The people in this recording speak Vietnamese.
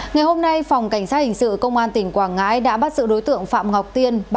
ngày hôm nay phòng cảnh sát hình sự công an tỉnh quảng ngãi đã bắt giữ đối tượng phạm ngọc tiên